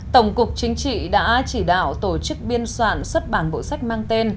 tổng cục chính trị đã chỉ đạo tổ chức biên soạn xuất bản bộ sách mang tên